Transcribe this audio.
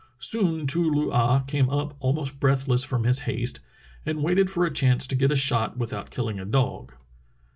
Soon Too loo ah came up almost breathless from his haste, and waited for a chance to get a shot without killing a dog.